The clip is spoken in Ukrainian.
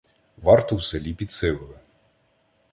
Варту в селі підсилили.